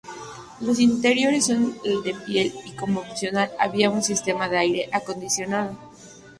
Los interiores son de piel y como opcional había un sistema de aire acondicionado.